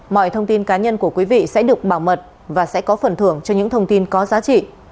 mọi thông tin cá nhân của quý vị sẽ được bảo mật và sẽ có phần thưởng cho những thông tin có giá trị